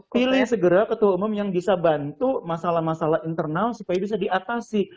pilih segera ketua umum yang bisa bantu masalah masalah internal supaya bisa diatasi